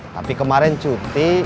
tapi kemarin cuti